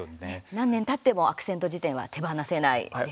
何年たってもアクセント辞典は手放せないです。